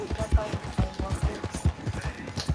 Hallqayaqmi aywakurquu.